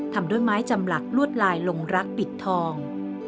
ทำด้วยไม้จำหลักลวดลายลงรักปิดทอง